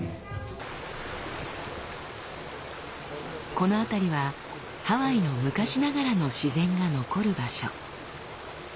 この辺りはハワイの昔ながらの自然が残る場所。